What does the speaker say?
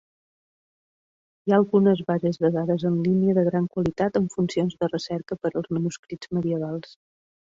Hi ha algunes bases de dades en línia de gran qualitat amb funcions de recerca per als manuscrits medievals.